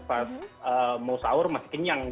pas mau sahur masih kenyang